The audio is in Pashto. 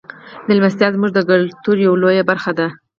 میلمستیا زموږ د کلتور یوه لویه برخه ده.